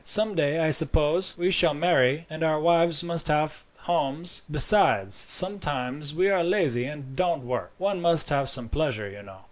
Some day, I suppose, we shall marry, and our wives must have homes. Besides, sometimes we are lazy and don't work. One must have some pleasure, you know."